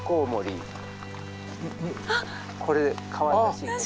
これかわいらしい。